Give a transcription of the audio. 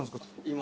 今。